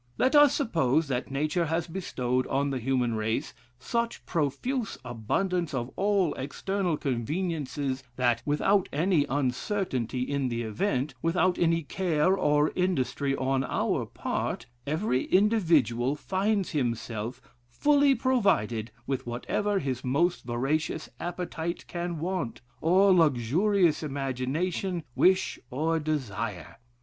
Let us suppose that nature has bestowed on the human race such profuse abundance of all external conveniences, that, without any uncertainty in the event, without any care or industry on our part, every individual finds himself fully provided with whatever his most voracious appetite can want, or luxurious imagination wish or desire.